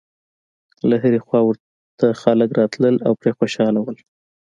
له هرې خوا ورته خلک راتلل او پرې خوشاله و.